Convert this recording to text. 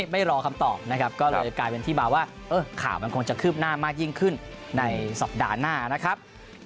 ไม่รอคำตอบนะครับก็เลยกลายเป็นที่มาว่าข่าวมันคงจะคืบหน้ามากยิ่งขึ้นในสัปดาห์หน้านะครับ